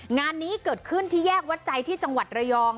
งานนี้เกิดขึ้นที่แยกวัดใจที่จังหวัดระยอง